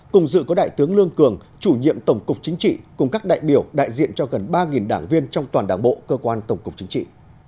cùng dự có đại tướng lương cường chủ nhiệm tổng cục chính trị cùng các đại biểu đại diện cho gần ba đảng viên trong toàn đảng bộ cơ quan tổng cục chính trị